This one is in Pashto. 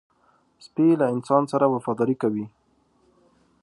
سپي له انسان سره وفاداري کوي.